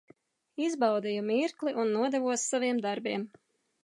Izbaudīju mirkli un nodevos saviem darbiem.